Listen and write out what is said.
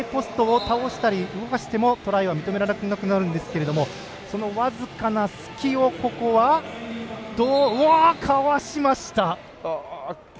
トライポストに触れたり動かしたりするとトライ認められなくなるんですがその僅かな隙をかわしました！